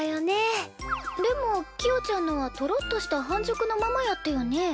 でもキヨちゃんのはトロッとした半熟のままやったよね？